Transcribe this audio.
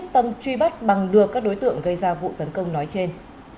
truy bắt bằng đưa các đối tượng gây ra vụ tấn công nói trên